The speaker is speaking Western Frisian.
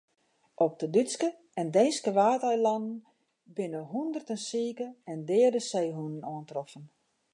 Op de Dútske en Deenske Waadeilannen binne hûnderten sike en deade seehûnen oantroffen.